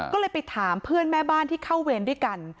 ก็เลยไปถามเพื่อนแม่บ้านที่เข้าเวรด้วยกัน